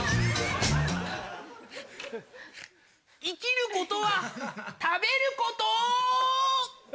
生きることは食べること！